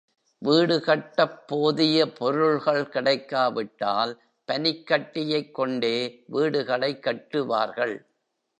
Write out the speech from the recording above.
வீடு கட்டப் போதிய பொருள்கள் கிடைக்காவிட்டால், பனிக்கட்டியைக் கொண்டே வீடுகளைக் கட்டுவார்கள்.